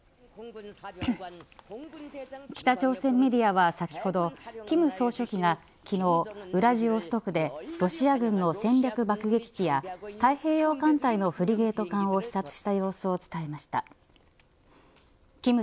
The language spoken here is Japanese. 北朝鮮メディアは先ほど金総書記が昨日ウラジオストクでロシア軍の戦略爆撃機や太平洋艦隊のフリゲート艦を視察しました。